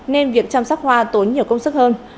nên việc chăm sóc hoa tốn nhiều công sức hơn